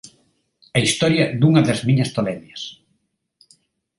A historia dunha das miñas tolemias.